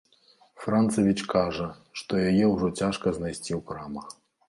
Францавіч кажа, што яе ўжо цяжка знайсці ў крамах.